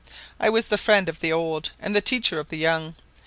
I was the friend of the old, and the teacher of the young.